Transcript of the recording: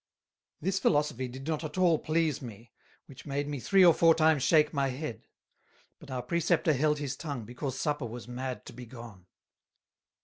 This Philosophy did not at all please me, which made me three or four times shake my head; but our Preceptor held his tongue, because Supper was mad to be gone.